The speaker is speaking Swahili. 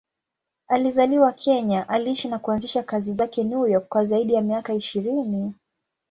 Alizaliwa Kenya, aliishi na kuanzisha kazi zake New York kwa zaidi ya miaka ishirini.